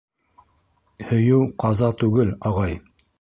Һөйөү ҡаза түгел, ағай!